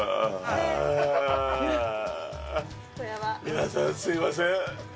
皆さん、すみません。